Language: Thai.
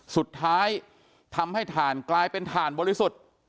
สุดท้ายทำให้ถ่านกลายเป็นถ่านบริสุทธิ์